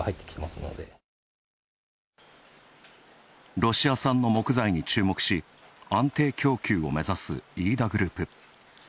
ロシア産の木材に注目し、安定供給を目指す飯田グループ。